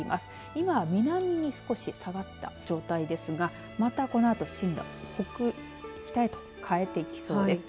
今、南に少し下がった状態ですがこのあと進路、北へと変えてきそうです。